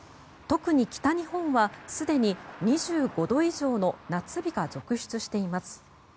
特に北日本はすでに２５度以上の夏日が続出しています。